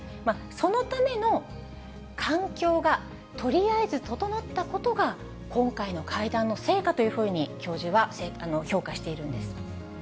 そのための環境がとりあえず整ったことが、今回の会談の成果というふうに教授は評価しているんです。